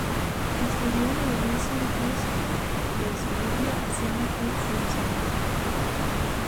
Estudió en el Wilson High School del suburbio Hacienda Heights, en Los Ángeles.